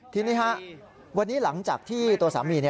ทีนี้วันนี้หลังจากที่ตัวสามี